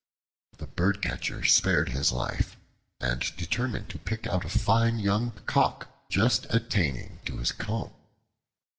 The Birdcatcher spared his life, and determined to pick out a fine young Cock just attaining to his comb.